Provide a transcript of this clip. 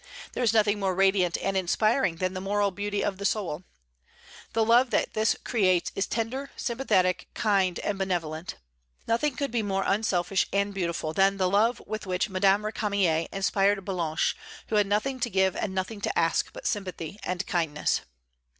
There is nothing more radiant and inspiring than the moral beauty of the soul. The love that this creates is tender, sympathetic, kind, and benevolent. Nothing could be more unselfish and beautiful than the love with which Madame Récamier inspired Ballanche, who had nothing to give and nothing to ask but sympathy and kindness.